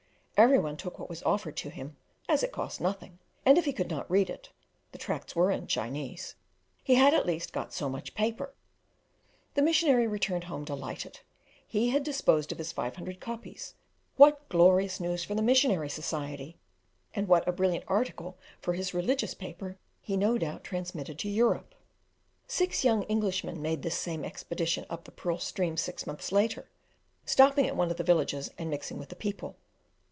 Every one took what was offered to him, as it cost nothing, and if he could not read it the tracts were in Chinese he had at least got so much paper. The missionary returned home delighted; he had disposed of his 500 copies. What glorious news for the Missionary Society, and what a brilliant article for his religious paper, he no doubt transmitted to Europe! Six young Englishmen made this same excursion up the Pearl stream six months later, stopping at one of the villages and mixing with the people.